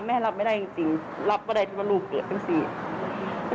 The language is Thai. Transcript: แม่รับไม่ได้จริงรับพอได้ที่ลูกเกิดกันสิ